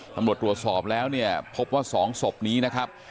ตำรวจตรวจสอบแล้วเนี่ยพบว่า๒ศพนี้นะครับ